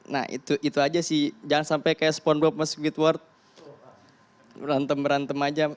nah itu aja sih jangan sampai kayak spongebob meskwit word berantem berantem aja